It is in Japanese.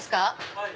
はい。